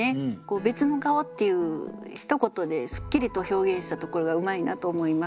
「別の顔」っていうひと言ですっきりと表現したところがうまいなと思います。